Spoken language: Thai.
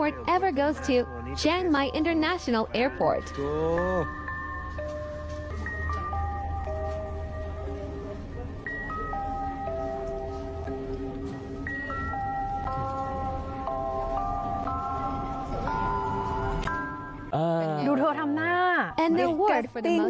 เธอบอกแล้วมีขยะขยะจริง